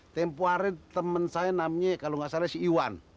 tempuh hari temen saya namanya kalau nggak salah si iwan